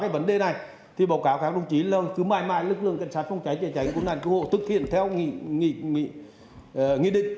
vấn đề này thì báo cáo các đồng chí là cứ mãi mãi lực lượng phòng cháy chữa cháy và cứu nạn cứu hộ thực hiện theo nghị định